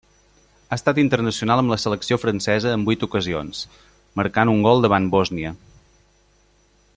Ha estat internacional amb la selecció francesa en vuit ocasions, marcant un gol davant Bòsnia.